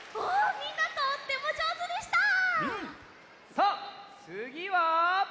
さあつぎは？